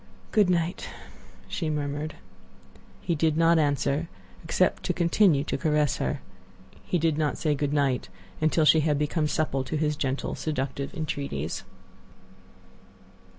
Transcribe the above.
"Good night," she murmured. He did not answer, except to continue to caress her. He did not say good night until she had become supple to his gentle, seductive entreaties.